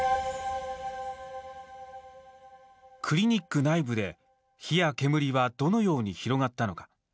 クリニック内部で火や煙はどのように広がったのか。